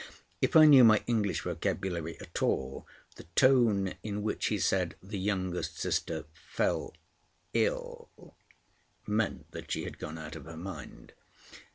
If I knew my English vocabulary at all, the tone in which he said the youngest sister "fell ill" meant that she had gone out of her mind.